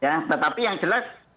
ya tetapi yang jelas